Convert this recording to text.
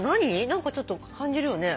何かちょっと感じるよね。